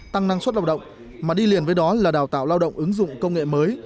tăng năng suất lao động mà đi liền với đó là đào tạo lao động ứng dụng công nghệ mới